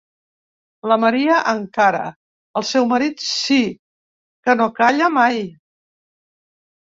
La Maria, encara; el seu marit sí, que no calla mai!